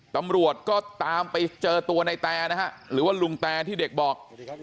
ตำรวจก็ตามไปเจอตัวในแตนะฮะหรือว่าลุงแตที่เด็กบอก